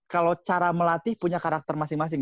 kalau cara melatih punya karakter masing masing